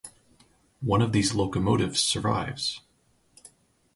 One of these locomotives survives.